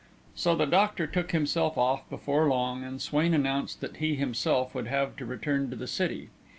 So the doctor took himself off, before long, and Swain announced that he himself would have to return to the city.